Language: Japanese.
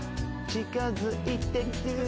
「近づいてく」